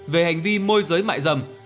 về hành vi môi giới mại dâm